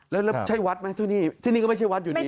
แล้วใช่วัดไหมที่นี่ที่นี่ก็ไม่ใช่วัดอยู่นี่